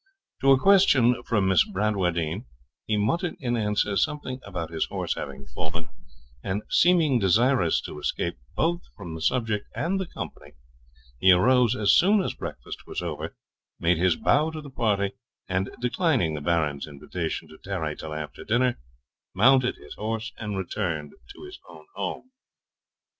To a question from Miss Bradwardine, he muttered in answer something about his horse having fallen; and seeming desirous to escape both from the subject and the company, he arose as soon as breakfast was over, made his bow to the party, and, declining the Baron's invitation to tarry till after dinner, mounted his horse and returned to his own home.